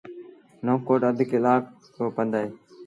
نئون ڪوٽ اڌ ڪلآڪ رو پند اهي